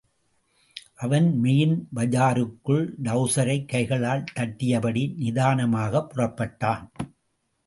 அவன் மெயின் பஜாருக்குள், டவுசரைக் கைகளால் தட்டியபடி, நிதானமாகப் புறப்பட்டான்.